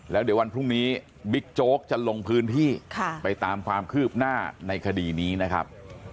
แล้วเดี๋ยววันพรุ่งนี้บิ๊กโจ๊กจะลงพื้นที่ไปตามความคืบหน้าในคดีนี้นะครับ